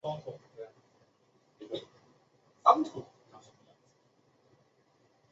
坦帕湾海盗是一支位于佛罗里达州的坦帕湾职业美式足球球队。